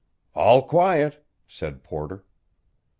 "All quiet," said Porter.